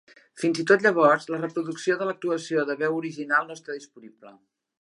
Fins i tot llavors, la reproducció de l'actuació de veu original no està disponible.